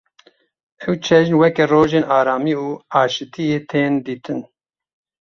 Ev cejn weke rojên aramî û aşîtiyê tên dîtin.